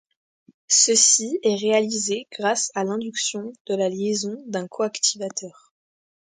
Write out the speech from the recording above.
Ceci est réalisé grâce à l'induction de la liaison d'un coactivateur.